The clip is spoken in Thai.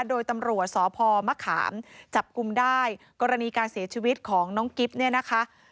โดยตำรวจสพมะขามจับกลุ่มได้กรณีการเสียชีวิตของน้องกิ๊บเนี่ยนะคะ